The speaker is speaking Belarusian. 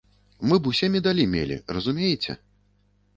Мы бы ўсе медалі мелі, разумееце?